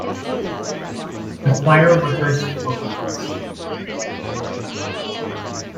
The Choir rehearsed for weeks.